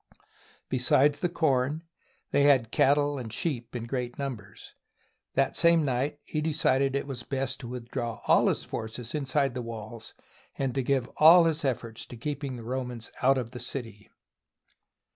Besides the corn, they had cattle and sheep in great numbers. That same night he decided it was best to withdraw all his forces inside the walls and to give all his efforts to keeping the Romans out of the city.